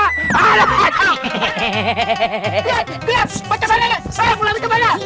lihat lihat macam mana saya mulai kemana